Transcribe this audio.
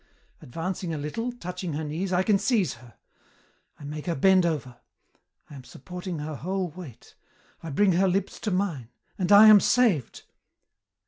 Advancing a little, touching her knees, I can seize her. I make her bend over. I am supporting her whole weight. I bring her lips to mine and I am saved!